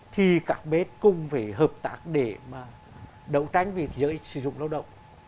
thì cả bếp cùng phải hợp tác để mà đấu tranh về giới sử dụng lao động